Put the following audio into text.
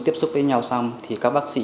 tiếp xúc với nhau xong thì các bác sĩ